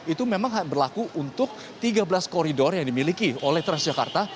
itu memang berlaku untuk tiga belas koridor yang dimiliki oleh transjakarta